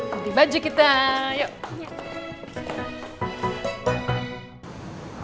ganti baju kita yuk